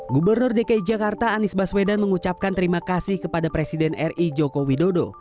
gubernur dki jakarta anies baswedan mengucapkan terima kasih kepada presiden ri joko widodo